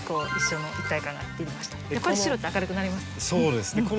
そうですね。